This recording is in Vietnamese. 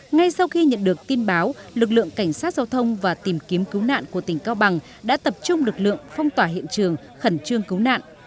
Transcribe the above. ngay sau khi nhận được tin báo lực lượng cảnh sát giao thông và tìm kiếm cứu nạn của tỉnh cao bằng đã tập trung lực lượng phong tỏa hiện trường khẩn trương cứu nạn